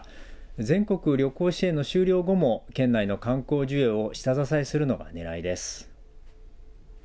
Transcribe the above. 全国旅行支援の終了後も県内の観光需要を下支えするのが狙いです。